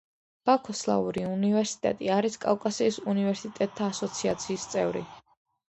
ბაქოს სლავური უნივერსიტეტი არის კავკასიის უნივერსიტეტთა ასოციაციის წევრი.